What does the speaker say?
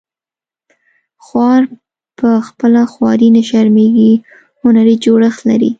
خوار په خپله خواري نه شرمیږي هنري جوړښت لري